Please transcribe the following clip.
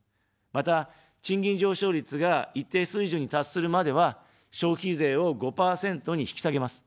また、賃金上昇率が一定水準に達するまでは、消費税を５％に引き下げます。